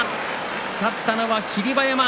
勝ったのは霧馬山。